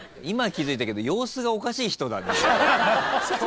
今気付いたけど様子がおかしい人。